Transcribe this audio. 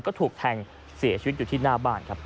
ก็ถูกแทงเสียชีวิตอยู่ที่หน้าบ้านครับ